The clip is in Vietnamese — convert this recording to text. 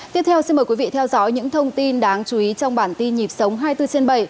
tiếp theo xin mời quý vị theo dõi những thông tin đáng chú ý trong bản tin nhịp sống hai mươi bốn trên bảy